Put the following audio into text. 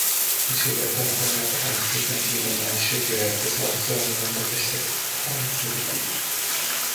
宇宙がいかに始まったかについての議論は宗教や哲学上の問題として語られて続けている